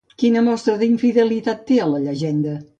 Quina mostra d'infidelitat té a la llegenda?